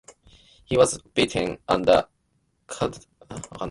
He was beaten and the qadi had him locked up.